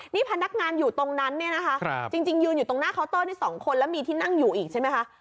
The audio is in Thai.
นี่พนักงานอยู่ตรงนั้นเนี่ยนะคะจริงยืนอยู่ตรงหน้าเคาน์เตอร์นี่๒คนแล้วมีที่นั่งอยู่อีกใช่ไหมคะ